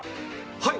はい！